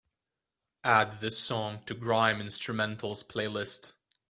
add this song to grime instrumentals playlist